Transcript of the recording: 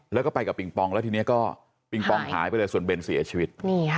แล้วก็ไปกับปิงปองแล้วทีนี้ก็ปิงปองหายไปเลยส่วนเบนเสียชีวิต